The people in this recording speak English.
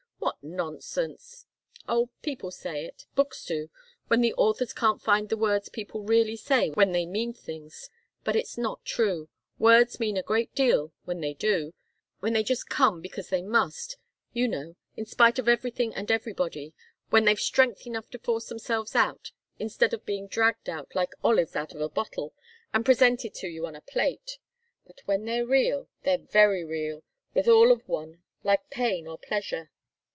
What nonsense!" "Oh people say it books do when the authors can't find the words people really say when they mean things. But it's not true. Words mean a great deal, when they do when they just come because they must, you know, in spite of everything and everybody when they've strength enough to force themselves out, instead of being dragged out, like olives out of a bottle, and presented to you on a plate. But when they're real, they're very real, with all of one, like pain or pleasure.